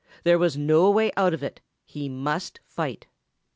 There was no way out of it, he must fight.